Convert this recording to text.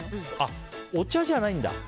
お茶じゃないんだ。